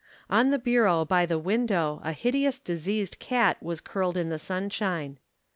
On the bureau by the window a hideous diseased cat was curled in the sunshine.